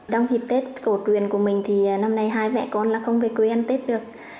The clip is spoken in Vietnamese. trong dịp tết cổ truyền của mình thì năm nay hai mẹ con là không về quê ăn tết được